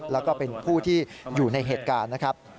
แล้วก็เป็นผู้ที่อยู่ในเหตุการณ์นะครับ